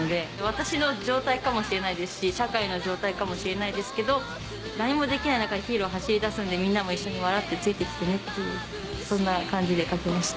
私の状態かもしれないですし社会の状態かもしれないですけど何もできない中ヒーロー走りだすんでみんなも一緒に笑ってついて来てねっていうそんな感じで書きました。